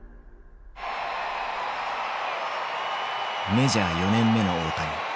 メジャー４年目の大谷。